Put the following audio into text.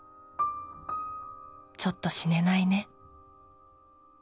「ちょっと死ねないね」